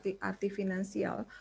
atau apakah itu adalah arti finansial